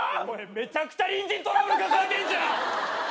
めちゃくちゃ隣人トラブル抱えてんじゃん。